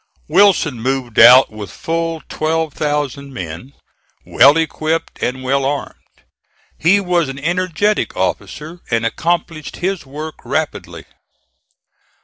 Wilson moved out with full 12,000 men, well equipped and well armed. He was an energetic officer and accomplished his work rapidly.